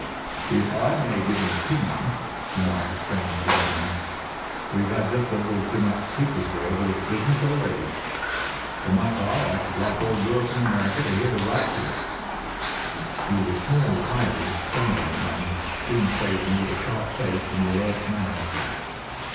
"If I may give an opinion," remarked the strange gentleman, "we've had just a little too much secrecy over this business already. For my part, I should like all Europe and America to hear the rights of it." He was a small, wiry, sunburnt man, clean shaven, with a sharp face and alert manner.